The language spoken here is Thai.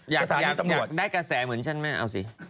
อยากได้กระแสเหมือนฉันไหมเอาสิ